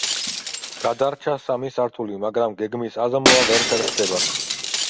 გადარჩა სამი სართული, მაგრამ გეგმის აზომვა ვერ ხერხდება.